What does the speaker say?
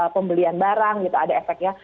pembelian barang gitu ada efeknya